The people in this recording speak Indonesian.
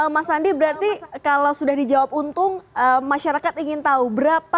mas andi berarti kalau sudah dijawab untung masyarakat ingin tahu berapa